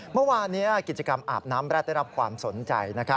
เมื่อวานนี้กิจกรรมอาบน้ำแร็ดได้รับความสนใจ